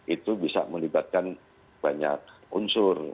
itu bisa melibatkan banyak unsur